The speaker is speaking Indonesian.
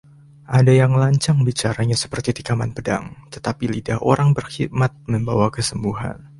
Ada yang lancang bicaranya seperti tikaman pedang, tetapi lidah orang berhikmat membawa kesembuhan.